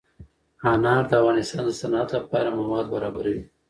انار د افغانستان د صنعت لپاره مواد برابروي.